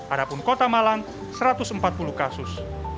adapun kota malang satu ratus empat puluh kasus